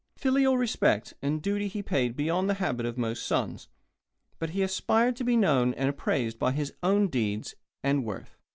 Filial respect and duty he paid beyond the habit of most sons, but he aspired to be known and appraised by his own deeds and worth.